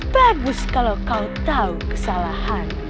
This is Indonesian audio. bagus kalau kau tahu kesalahan